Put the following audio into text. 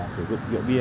sử dụng rượu bia